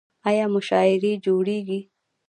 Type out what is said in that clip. آیا مشاعرې جوړیږي؟